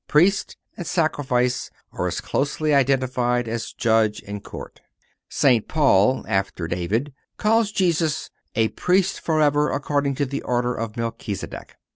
Priest and sacrifice are as closely identified as judge and court. St. Paul, after David, calls Jesus "a Priest forever, according to the order of Melchisedech."